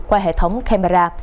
qua hệ thống camera